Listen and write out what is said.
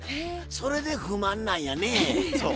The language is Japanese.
それで不満なんやねぇ。